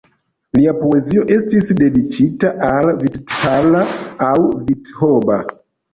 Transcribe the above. Lia poezio estis dediĉita al Vitthala aŭ Vithoba.